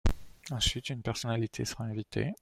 Ensuite, une personnalité sera invitée.